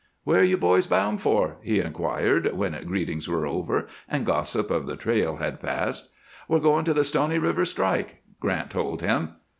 "Where are you boys bound for?" he inquired when greetings were over and gossip of the trail had passed. "We're going to the Stony River strike," Grant told him.